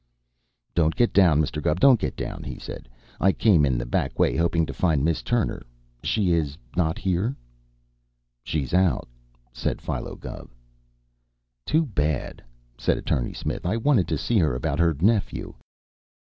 "Don't get down, Mr. Gubb, don't get down!" he said. "I came in the back way, hoping to find Miss Turner. She is not here?" "She's out," said Philo. "Too bad!" said Attorney Smith. "I wanted to see her about her nephew.